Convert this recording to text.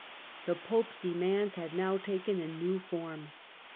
The pope's demands had. now taken a new form.